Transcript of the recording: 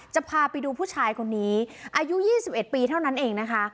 จะพาไปดูผู้ชายคนนี้อายุ๒๑ปีเท่านั้นเองนะคะ